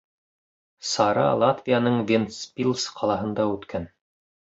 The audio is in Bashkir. Сара Латвияның Вентспилс ҡалаһында үткән.